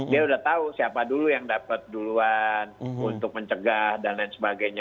dia sudah tahu siapa dulu yang dapat duluan untuk mencegah dan lain sebagainya